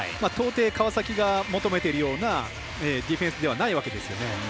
到底、川崎が求めているようなディフェンスではないわけですよね。